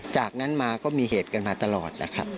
จากนั้นมาก็มีเหตุกันมาตลอดนะครับ